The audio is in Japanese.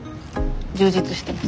充実してます。